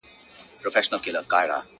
ډېر له کیبره څخه ګوري و هوا ته-